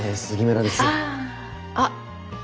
あっ。